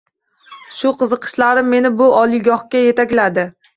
Shu qiziqishlarim meni bu oliygohga yetakladi.